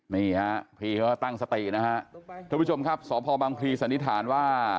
นี่ฮะพี่เขาก็ตั้งสตินะฮะทุกผู้ชมครับสพบังพลีสันนิษฐานว่า